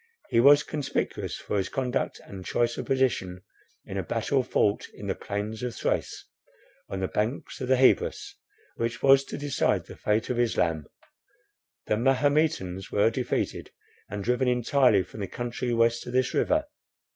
He was conspicuous for his conduct and choice of position in a battle fought in the plains of Thrace, on the banks of the Hebrus, which was to decide the fate of Islam. The Mahometans were defeated, and driven entirely from the country west of this river.